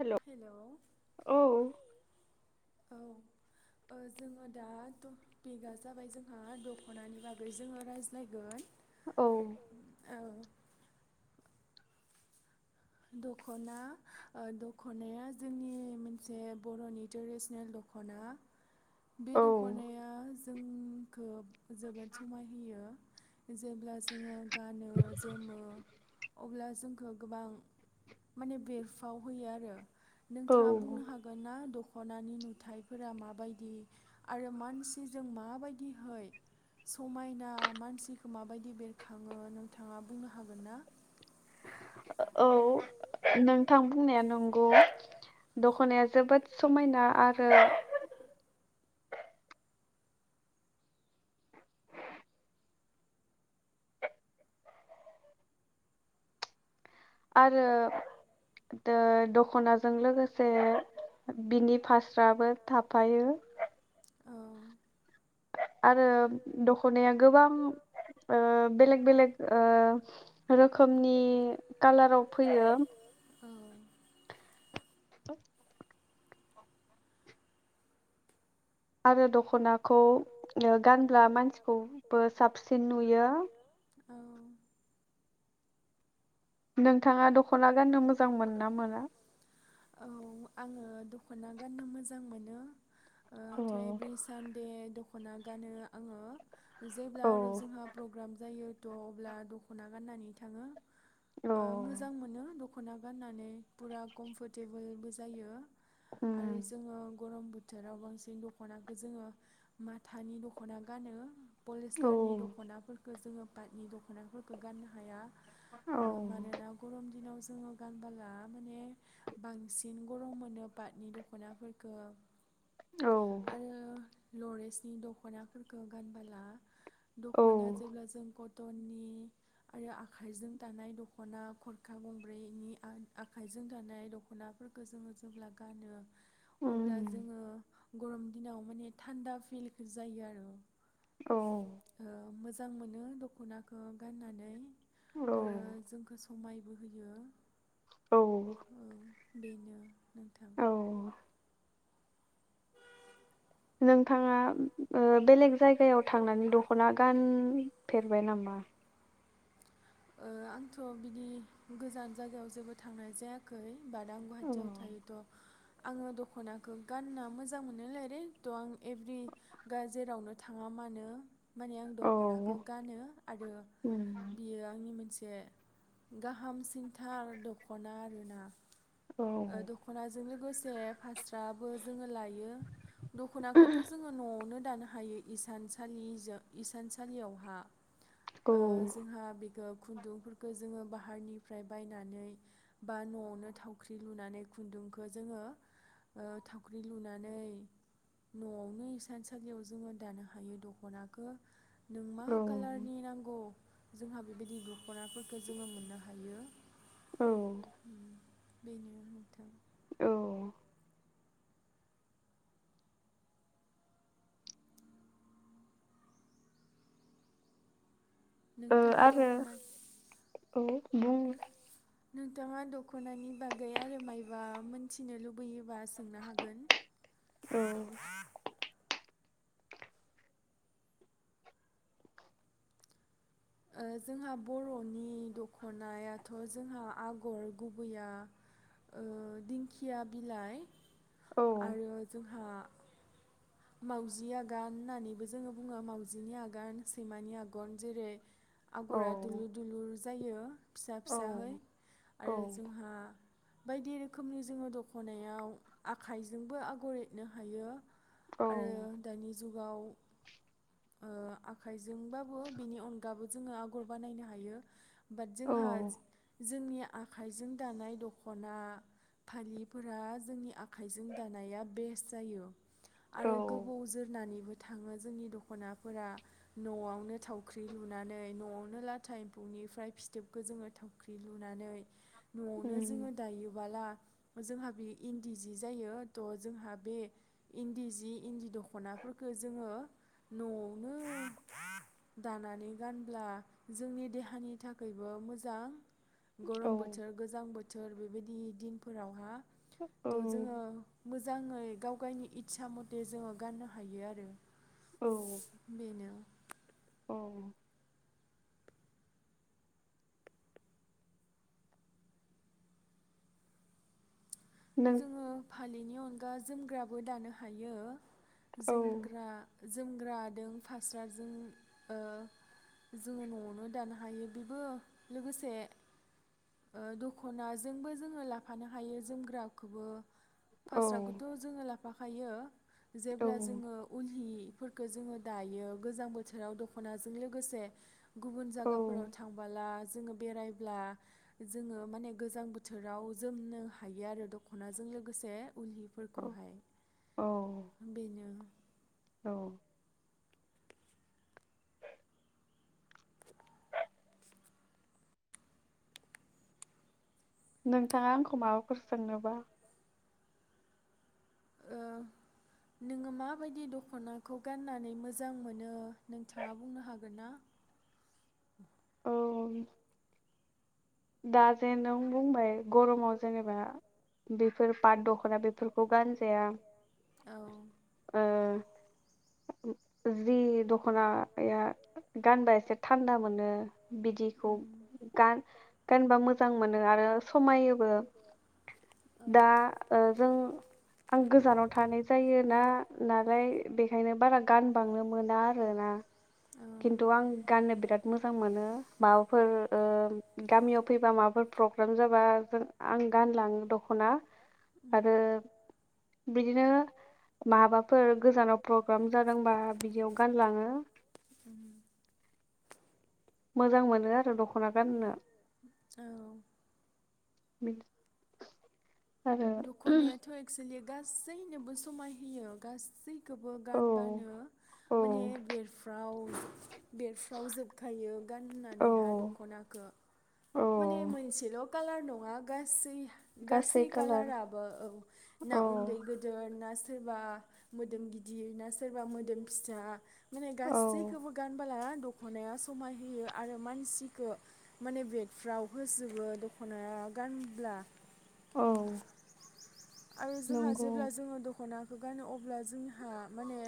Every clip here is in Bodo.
हेल' औ औ ओ जोंङो दा थुपिगा जाबाय जोंहा दख'नानि बागै जोंङो रायज्लायगोन‌। औ दख'ना ओ दख'नाया जोंनि मोनसे बर'नि ट्रेडिसनेल दख'ना। बे दख'नाया जोंखो जोबोद समाय होयो। जेब्ला जोङो गानो जोमो अब्ला जोंखो गोबां माने बेरफाव होयो आरो। नोंथाङा बुंनो हागोन ना दख खनानि नुथायफोरा माबायदि आरो मानसिजों माबायदिहै समायना मानसिखो माबायदि बेरखाङो नोंथाङा बुंनो हागोन ना? औ नोंथां बुंनाया नंगौ। दख'नाया जोबोद समायना आरो आरो ओ दख'नाजों लोगोसे बिनि फास्राबो थाफायो। आरो दख'नाया गोबां ओ बेलेग बेलेग ओ रोखोमनि कालाराव फैयो। [unintelligible] आरो दख'नाखौ ओ गानब्ला मानसिखौबो साबसिन नुयो। औ नोंथाङा दख'ना गाननो मोजां मोनो ना मोना? औ आङो दख'ना गाननो मोजां मोनो। ओ आंथ' एभ्रि सानदे दख ख'ना गानो आङो। जेब्ला आरो जोंहा प्रग्राम जायो थ' अब्ला दख'ना गाननानै थाङो औ दख'ना गाननानै फुरा कमफरटेबोलबो जायो। आरो जोङो गरम बो बोथोराव बांसिन दख'नाखौ जोङो माथानि दख'ना गानो। पलिस्टारनि दख'नाफोरखौ जोङो पादनि दख'नाफोरखौ गाननो हाया। ओ मानोना गरम दिनाव जोङो गानबोला माने बांसिन गरम मोनो पाटनि दख'नाफोरखौ आरो लरेसनि दख'नाफोरखौ गानबोला दख'ना जेब्ला जों ग धनि आरो आखाइजों दानाय दख'ना खरखा गंब्रैनि आ-आखाइजों दानाय दख'नाफोरखौ जोङो जेब्ला गानो अब्ला जोङो गरम दिनाव माने थान्दा फिल जायो आरो ओ मो जां मोनो दख'नाखौ गाननानै आरो जोंखो समायबो होयो औ बेनो नोंथां नोंथांङा ओ बेलेग जायगायाव थांनानै दख'ना गानफेरबाय नामा? ओ आंथ' बिदि गोजान जायगायाव जेबो थांनाय जायाखै बादाम आं गुवाहाटियाव थायोथ' आङो दख'नाखौ गानना मोजां मोनोलायरे थ' आं एभ्रि गा जेरावनो थाङा मानो माने आं दख'नाखौ गानो आरो बियो आंनि मोनसे जे गाहाम सिन्था दख'ना आरोना ओ दख'नाजों लोगोसे फास्राबो जोङो ला यो दख'नाखौथ' जोंङो न'आवनो दानो हायो इसानसालिजो-इसानसालियावहा ओ जोंहा बेखो खुन्दुंफोरखौ जोङो बाहारनिफ्राय बायनानै बा न'आवनो थाव थावख्रि लुनानै खुन्दुंखौ जोङो थावख्रि लुनानै न'आवनो सानसालियाव जोङो दानो हायो दख'नाखौ नों मा कालारनि नांगौ जोंहा बेबायदि दुख दख'नाफोरखौ जोङो मोननो हायो बेनो नोंथां औ ओ आरो औ बुं नोंथाङा दख'नानि बागै आरो माइबा मोनथिनो लुबैयो बा सोंनो हागोन ओ जोंहा बर'नि दख'नायाथ' जोंहा आगर गुबैया ओ दिंखिया बिलाइ आरो जोंहा मावजि आगान होननानैबो जोङो बुङो मावजिनि आगान सैमानि आगन जेरै आगरा दलुर दलुर जायो। फिसा फिसाहै आरो जोंहा बायदि रोखोमनि जोङो दखनायाव आखाइजोंबो आगर एरनो हायो। औ। जुगाव ओ आखाइजोंबाबो बिनि अनगाबो जोङो आगर बानायनो हायो। बाद जोंहा जोंनि आखाइजों दानाय दख'ना फालिफोरा जोंनि आखाइजों दानाया बेस्ट जायो। आरो गोबौ जोरनानैबो थाङो जोंनि दख'नाफोरा न'आवनो थावख्रि लुनानै न'आवनो लाथा एम्फौनिफ्राय फिथोबखो जोङो थावख्रि लुनानै न'आवनो जोङो दायोबाला जोंहा बे इन्दि जि जायो। थह जोंहा बे इन्दि जि इन्दि दख'नाफोरखौ जोङो न'आवनो दानानै गानब्ला जोंनि देहानि थाखायबो मोजां। गरम बोथोर, गोजां बो थोर बेबायदि दिनफोरावहा। त जोङो मो जाङै गाव गावनि इसा म थे जोङो गाननो हायो आरो बेनो। औ। जोङो फालिनि अनगा जोमग्राबो दानो हायो। जोमग्रा जोमग्रादों फास्राजों ओ जोङो न'आवनो दानो हायो। बेबो लोगोसे ओ दख'नाजोंबो जोङो लाफानो हायो जोमग्रा खौबो फास्राखौथ' जोङो ला फाखायो। जेब्ला जोङो उल हि फोरखो जोङो दायो गोजां बोथोराव दख'नाजों लोगोसे गुबुन जागाफोराव थांबाला जोङो बेरायब्ला जोङो माने गोजां बोथोराव जोमनो हायो आरो द ख'नाजों लोगोसे उल हिफोरखौहाय बेनो। औ। नोंथाङा आंखौ माबाफोर सोंनोबा ओ नोङो माबायदि दख'नाखौ गाननानै मोजां मोनो। नोंथाङा बुंनो हागोन ना? औ। दा जे नों बुंबाय गरमाव जेनेबा बेफोर पात दख'ना बेफोरखौ गानजाया। ओ जि दख'नाया गानबा एसे थान्दा मोनो बिदिखौ गान गानबा मोजां मोनो आरो समायोबो। दा ओ जों आं गोजानाव थानाय जायोना नालाय बेखायनो बारा गानबांनो मोना आरो ना। खिन्थु आं गाननो बिराद मोजां मोनो माबाफोर ओ फैबा माबाफोर प्रग्राम जाबा जों आं गानलाङो दख'ना आरो बिदिनो माबाफोर गोजानाव प्रग्राम जादोंबा बिदियाव गानलाङो मोजां मोनो आरो दख'ना गाननो। बि दख'नायाथ' एक्सुलि गासैनोबो समाय होयो गासै खोबो गानबानो माने बेेरफ्राव [inaudible] बेरफ्राव जोबखायो गाननानै हा दख'नाखो माने मोनसेल' कालार नङा गासै गासै कालाराबो औ ना उन्दै गोदोर ना सोरबा मोदोम गिदिर ना सोरबा मोदोम फिसा माने गासैखोबो गानबाला दख'नाया समाय होयो आरो मानसिखो माने बे फ्राव होसोबो दख'नाया गानब्ला। औ आरो जोंहा जेब्ला जोङो दख'ना खो गानो अब्ला जोंहा माने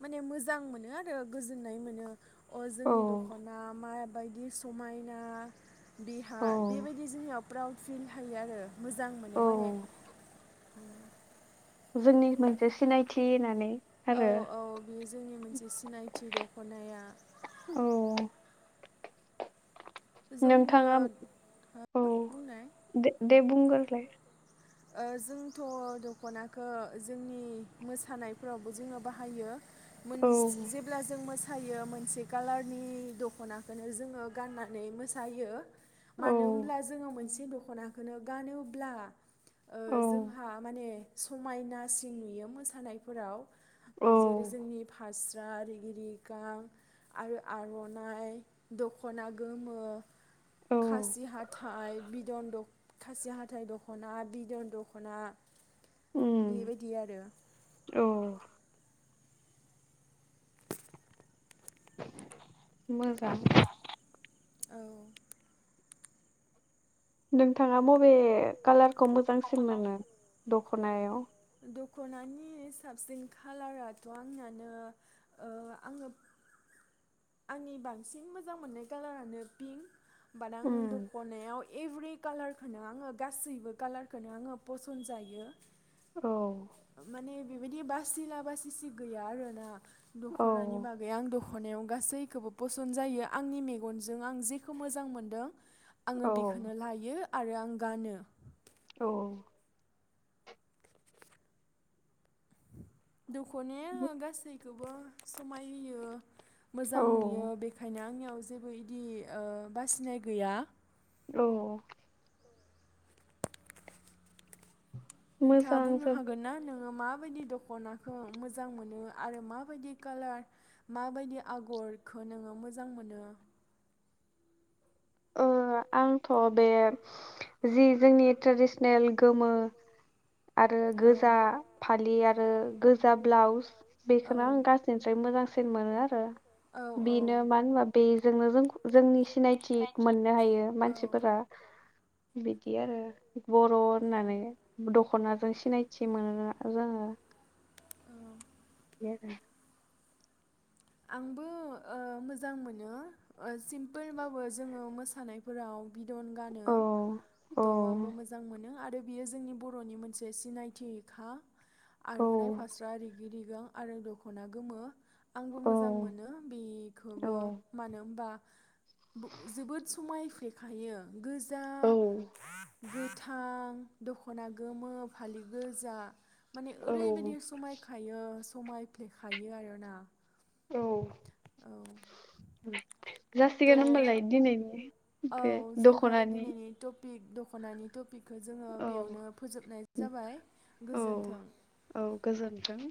माने मोजां मोनो आरो गोजोननाय मोनो। अ जोंनि दख'ना मा बायदि समायना बेहा बेबायदि जोंनियाव प्राउड फिल थायो आरो। मोजां मोनो माने [inaudible] जोंनि मोनसे सिनायथि नानै। औ औ बेयो जोंनि मोनसे सिनायथि दख'नाया नोंथाङा औ दे दे बुंगोरलाय। ओ जोंथ' दख'नाखौ जोंनि मोसानायफोरावबो जोङो बाहायो। मोनस जेब्ला जों मोस थायो मोसायो मोनसे कालारनि दख'नाखोनो जोङो गाननानै मोसायो मानो होनब्ला जोङो मोनसे दख'नाखोनो गानोब्ला ओ जोंहा माने समायनासिन नुयो मोसानायफोराव। ओ जेरै जोंनि फास गा रिगि रिगां आरो आर'नाइ दख'ना गोमो खासिहाथाय बिदन दख खासि हाथाइ दख'ना बि दख'ना बेबायदि आरो। मोजा औ नोंथाङा बबे कालार खौ मोजांसिन मोनो दख'नायाव? दख'नानि साबसिन खालाराथ' आंनानो ओ आङो आंनि बांसिन मोजां मोननाय कालारानो पिंक। बात आं दख'नायाव एभ्रि कालारखोनो आङो गासैबो कालारखोनो आङो पसन जायो। औ माने बेबायदि बासिला बासिसि गैया आरोना दख'नानि बागै आं दखना खनायाव गासैखौबो फसन्द जायो आंनि मेगनजों आं जेखौ मोजां मोनदों आङो बेखौनो लायो आरो आं गानो औ औ दखनाया गासै खौबो समाय होयो मोजां नुयो बेखायनो आंनियाव जेबो इदि ओ बासिनाय गैया औ नोंथाङा बुंनो हागोन ना नों नोङो माबायदि दखनाखौ मोजां मोनो आरो माबायदि कालार माबायदि आगरखौ नोङो मोजां मोनो ओ आं थ' बे जि जोंनि ट्रेडिसनेल गोमो आरो गोजा फालि आरो गोजा ब्लाउस बेखौनो आं गासैनिफ्राय मोजांसिन मोनो आरो बेनो मानो होनबा बेजोंनो जोंनि सिनायथि। मोननो हायो मानसिफोरा बिदि आरो बर' होननानै दख'नाजों सिनायथि मोनो जोङो। [unintelligible] आंबो ओ मोजां मोनो सिमपोलबाबो जोङो मोसानायफोराव बिदन गानो ट'आंबो मोजां मोनो आरो बियो जोंनि बर'नि मोनसे सिनायथिखा। आरनाय फास्राआरि [unintelligible] आरो दखना गोमो आं मोजां मोनो बेखोबो मानो होमबा जोबोद समायफ्लेखायो गोजा औ गोथां दख'ना गोमो फालि गोजा माने ओरैबायदि समायखायो समायफ्लेखायो आरोना औ जासिगोन होमबालाय दिनैनि बे दख'नानि पिक दख'नानि टपिक खो जोङो बेयावनो फोजोबनाय जाबाय गोजोन्थों। थों।